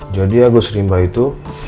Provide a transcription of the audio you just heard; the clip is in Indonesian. jadi agus rimba itu